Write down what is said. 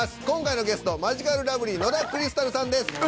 今回のゲストマヂカルラブリー野田クリスタルさんです。